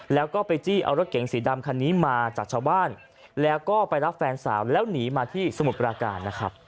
แล้วก็ไปจี้เอารถเก๋งสีดำคันนี้มาจากชาวบ้านแล้วก็ไปรับแฟนสาวแล้วหนีมาที่สมุทรปราการนะครับ